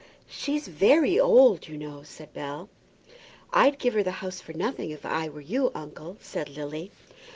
"She's very old, you know," said Bell. "I'd give her the house for nothing, if I were you, uncle," said Lily.